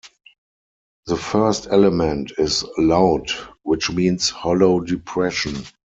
The first element is "laut" which means "hollow depression".